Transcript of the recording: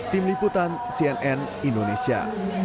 tim liputan cnn indonesia